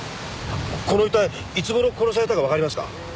この遺体いつごろ殺されたか分かりますか？